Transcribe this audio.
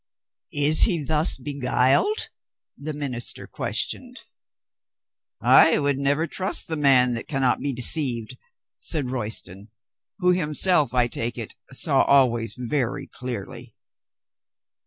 "Is he thus beguiled?" the minister questioned. "I would never trust the man that can not be de ceived," said Royston, who himself, I take it, saw always very clearly.